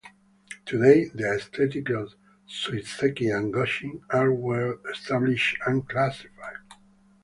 Today the aesthetics of Suiseki and Gongshi are well established and classified.